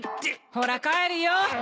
ほら帰るよ。